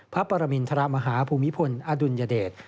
ปรมินทรมาฮาภูมิพลอดุลยเดช